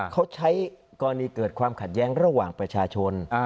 เขาใช้กรณีเกิดความขัดแย้งระหว่างประชาชน